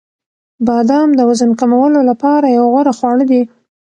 • بادام د وزن کمولو لپاره یو غوره خواړه دي.